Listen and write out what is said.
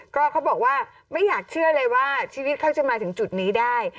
ก็เขาบอกว่าไม่อยากเชื่อเลยว่าชีวิตเขาจะมาถึงจุดนี้ได้